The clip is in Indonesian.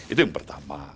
itu yang pertama